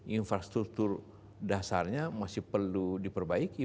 infrastruktur dasarnya masih perlu diperbaiki